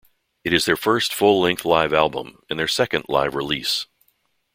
It is their first full-length live album, and their second live release.